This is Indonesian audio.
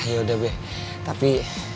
yaudah be tapi